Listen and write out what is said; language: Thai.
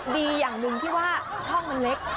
อย่างหนึ่งที่ว่าช่องมันเล็ก